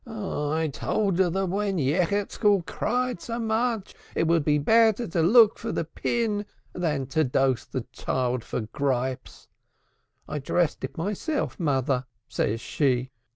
"I told her that when Yechezkel cried so much, it would be better to look for the pin than to dose the child for gripes. 'I dressed it myself, Mother,' says she.